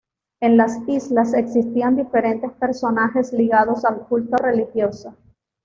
En las islas existían diferentes personajes ligados al culto religioso.